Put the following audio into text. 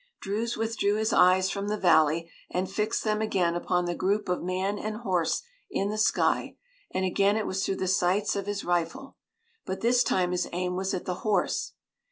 Druse withdrew his eyes from the valley and fixed them again upon the group of man and horse in the sky, and again it was through the sights of his rifle. But this time his aim was at the horse.